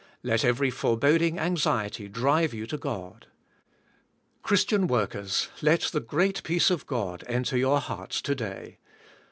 Let every foreboding anxiety drive you to God. Christian workers, let the great peace of God enter your hearts to day.